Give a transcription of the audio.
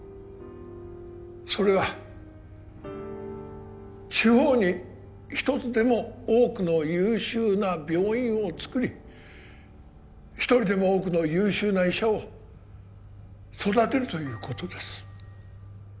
それは地方に一つでも多くの優秀な病院をつくり一人でも多くの優秀な医者を育てるということです